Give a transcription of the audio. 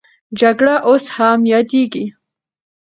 جګړه اوس هم یادېږي.